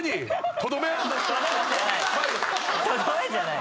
とどめじゃない。